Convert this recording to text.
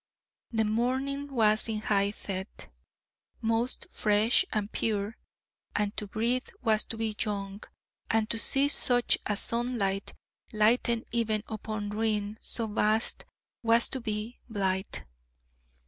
The morning was in high fête, most fresh and pure, and to breathe was to be young, and to see such a sunlight lighten even upon ruin so vast was to be blithe.